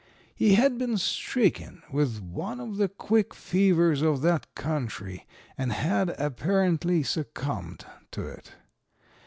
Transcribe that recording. He had been stricken with one of the quick fevers of that country and had apparently succumbed to it.